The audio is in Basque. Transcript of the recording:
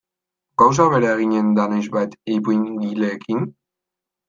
Gauza bera eginen da noizbait ipuingileekin?